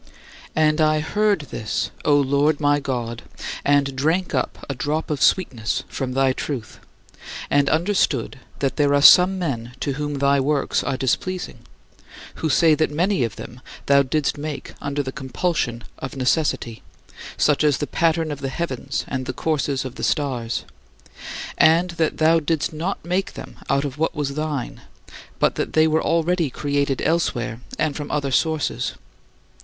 And I heard this, O Lord my God, and drank up a drop of sweetness from thy truth, and understood that there are some men to whom thy works are displeasing, who say that many of them thou didst make under the compulsion of necessity such as the pattern of the heavens and the courses of the stars and that thou didst not make them out of what was thine, but that they were already created elsewhere and from other sources.